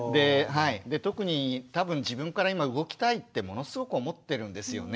特に多分自分から今動きたいってものすごく思ってるんですよね。